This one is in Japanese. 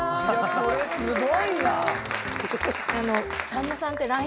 これすごいな。